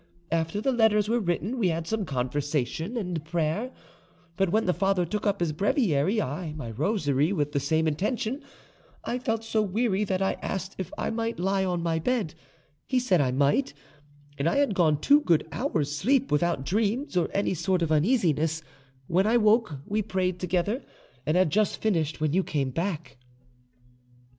After the letters were written, we had some conversation and prayer; but when the father took up his breviary and I my rosary with the same intention, I felt so weary that I asked if I might lie on my bed; he said I might, and I had two good hours' sleep without dreams or any sort of uneasiness; when I woke we prayed together, and had just finished when you came back."